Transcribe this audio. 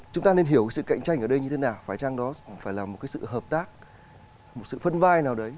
chúng ta nên hiểu sự cạnh tranh ở đây như thế nào phải chăng đó phải là một cái sự hợp tác một sự phân vai nào đấy